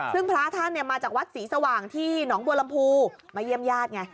ซึ่งพระท่านเนี่ยมาจากวัดสีสว่างที่หนองบวรรมภูมาเยี่ยมญาติไง